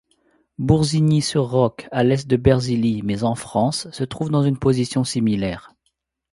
Bousignies-sur-Roc, à l'est de Bersillies, mais en France, se trouve dans une position similaire.